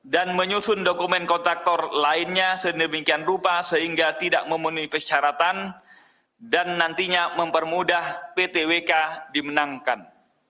dan menyusun dokumen kontraktor lainnya sedemikian rupa sehingga tidak memenuhi persyaratan dan nantinya mempermudah pt wk dimenangkan